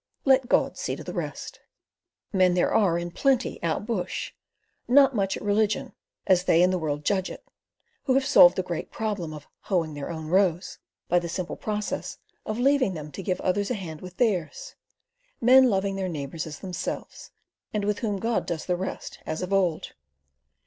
Let God see to the rest. Men there are in plenty out bush, "not much at religion," as they and the world judge it, who have solved the great problem of "hoeing their own rows" by the simple process of leaving them to give others a hand with theirs; men loving their neighbours as themselves, and with whom God does the rest, as of old.